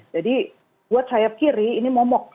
jadi buat sayap kiri ini momok